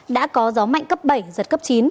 đã có gió mạnh cấp bảy giật cấp chín